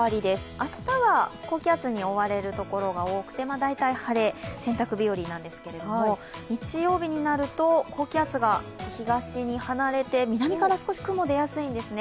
明日は高気圧に覆われる所が多くて大体晴れ、洗濯日和なんですけれども、日曜日になると高気圧が東に離れて、南から少し雲が出やすいんですね。